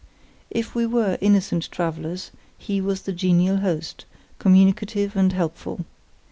If we were innocent travellers, he was the genial host, communicative and helpful.